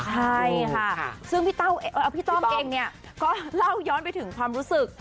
ใช่ค่ะซึ่งพี่ต้อมเองเนี่ยก็เล่าย้อนไปถึงความรู้สึก